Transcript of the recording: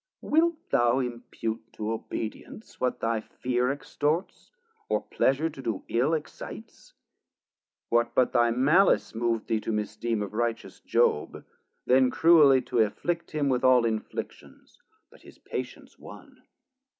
Wilt thou impute to obedience what thy fear Extorts, or pleasure to do ill excites? What but thy malice mov'd thee to misdeem Of righteous Job, then cruelly to afflict him With all inflictions, but his patience won?